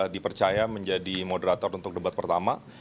dipercaya menjadi moderator untuk debat pertama